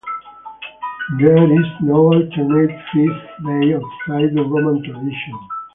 There is no alternate feast day outside the Roman Tradition.